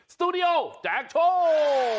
สตูดิโอแจกโชว์